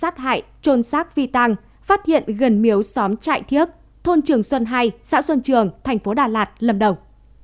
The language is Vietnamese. thôn trường xuân hai xã xuân trường tp đà lạt lâm đồng